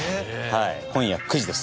今夜９時です。